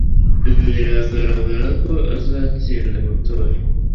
Biragaragara ko azatsinda amatora